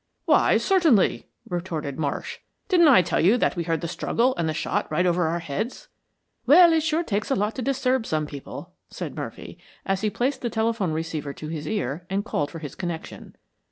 "Why certainly," retorted Marsh. "Didn't I tell you that we heard the struggle and the shot right over our heads?" "Well, it sure takes a lot to disturb some people," said Murphy, as he placed the telephone receiver to his ear and called for his connection.